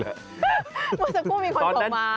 เมื่อสักครู่มีคนโทรมา